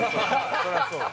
そりゃそうだ